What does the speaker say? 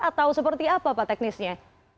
atau seperti apa pak teknisnya